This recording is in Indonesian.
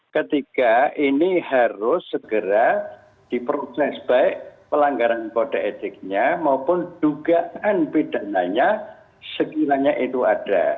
ketiga ini harus segera diproses baik pelanggaran kode etiknya maupun dugaan pidananya sekiranya itu ada